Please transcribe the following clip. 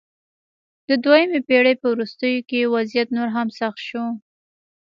د دویمې پېړۍ په وروستیو کې وضعیت نور هم سخت شو